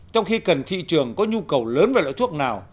trong khi cần thị trường có nhu cầu lớn về loại thuốc nào